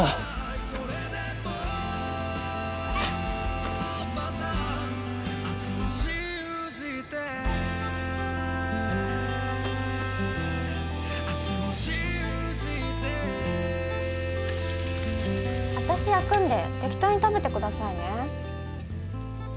私焼くんで適当に食べてくださいね。